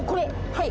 はい。